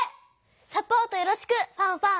サポートよろしくファンファン！